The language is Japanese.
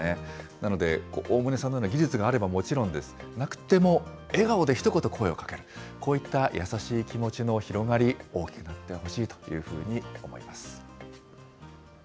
なので、大棟さんのような技術があればもちろんですけれども、なくても笑顔でひと言、声をかける、こういった優しい気持ちの広がり、大きくなってほしいというふうに思います。